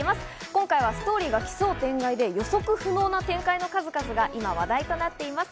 今回はストーリーが奇想天外で予測不能な展開の数々が今、話題となっています。